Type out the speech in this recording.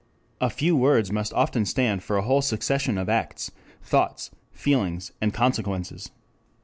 2 A few words must often stand for a whole succession of acts, thoughts, feelings and consequences.